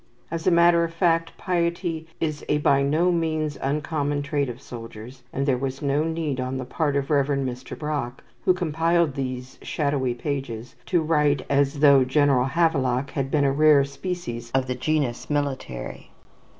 As a matter of fact, piety is a by no means uncommon attribute of soldiers, and there was no need on the part of the Reverend Mr. Brock, who compiled these shadowy pages, to write as though General Havelock had been a rare species of the genius military.